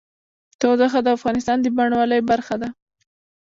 تودوخه د افغانستان د بڼوالۍ برخه ده.